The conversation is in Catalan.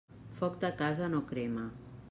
Foc de casa no crema.